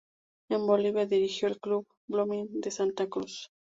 En Bolivia dirigió al Club Blooming de Santa Cruz.